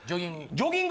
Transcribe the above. ジョギング。